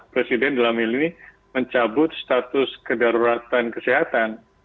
presiden dalam milenia mencabut status kedaruratan kesehatan